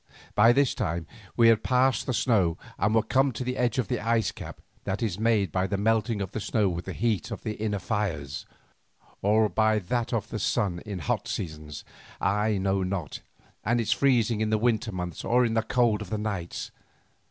By this time we had passed the snow and were come to the edge of the ice cap that is made by the melting of the snow with the heat of the inner fires, or perhaps by that of the sun in hot seasons, I know not, and its freezing in the winter months or in the cold of the nights.